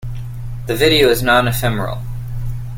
The video is non-ephemeral.